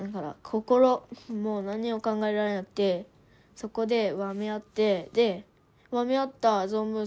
心もう何にも考えられなくてそこでわめあってでわめあった存分